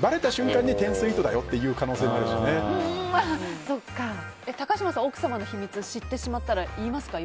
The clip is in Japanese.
ばれた瞬間に１０スイートだよって高嶋さんは奥様の秘密を知ってしまったら言いますか？